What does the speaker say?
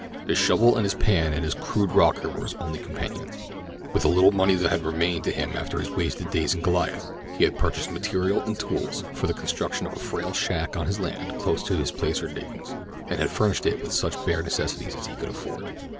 His shovel and his pan and his crude rocker were his only companions. With the little money that had remained to him after his wasted days in Goliath he had purchased material and tools for the construction of a frail shack on his land close to his placer diggings, and had furnished it with such bare necessities as he could afford.